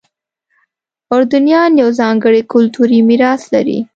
اردنیان یو ځانګړی کلتوري میراث لري.